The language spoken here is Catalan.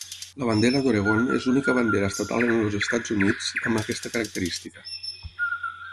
La bandera d'Oregon és l'única bandera estatal en els Estats Units amb aquesta característica.